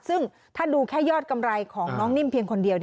ซึ่งถ้าดูแค่ยอดกำไรของน้องนิ่มเพียงคนเดียว